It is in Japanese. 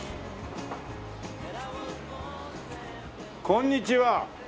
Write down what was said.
こんにちは。